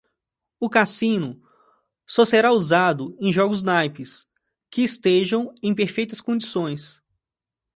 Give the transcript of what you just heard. O cassino só será usado em jogos naipes que estejam em perfeitas condições.